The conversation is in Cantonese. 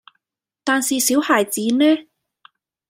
但是小孩子呢？